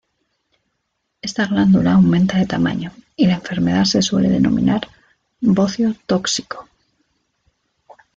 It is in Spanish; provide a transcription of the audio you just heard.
Ésta glándula aumenta de tamaño y la enfermedad se suele denominar "bocio tóxico".